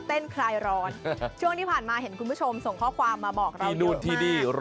เต้นคลายร้อนช่วงที่ผ่านมาเห็นคุณผู้ชมส่งข้อความมาบอกเราเยอะมาก